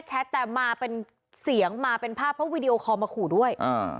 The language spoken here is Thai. แค่แชทแต่มาเป็นเสียงมาเป็นภาพเพราะวิดีโอคอมมาขู้ด้วย